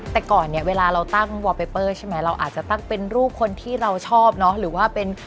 แต่ก่อนเนี่ยเวลาเราตั้งวอลเปเปอร์ใช่ไหมเราอาจจะตั้งเป็นรูปคนที่เราชอบเนอะหรือว่าเป็น